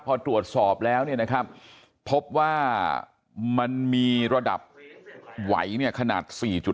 พอตรวจสอบแล้วเนี่ยนะครับพบว่ามันมีระดับไหวเนี่ยขนาด๔๕